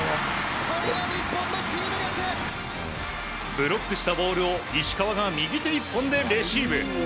ブロックしたボールを石川が右手１本でレシーブ。